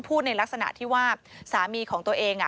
ในลักษณะที่ว่าสามีของตัวเอง